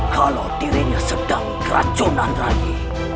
kalau dirinya sedang keracunan lagi